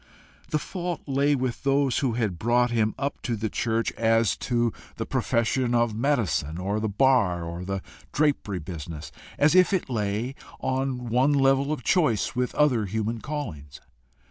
The fault lay with those who had brought him up to the church as to the profession of medicine, or the bar, or the drapery business as if it lay on one level of choice with other human callings.